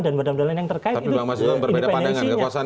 dan badan badan lain yang terkait itu independensinya